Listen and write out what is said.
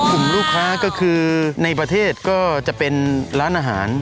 กลุ่มลูกค้าก็คือในประเทศก็จะเป็นร้านอาหาร